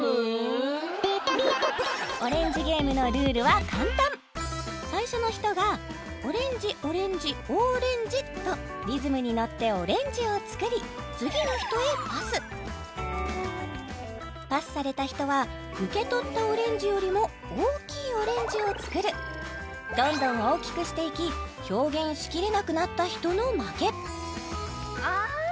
オレンジゲームのルールは簡単最初の人が「オレンジオレンジオレンジ」とリズムに乗ってオレンジをつくり次の人へパスパスされた人は受け取ったオレンジよりも大きいオレンジをつくるどんどん大きくしていき表現しきれなくなった人の負けあ